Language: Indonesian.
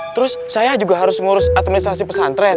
terus saya juga harus mengurus administrasi pesantren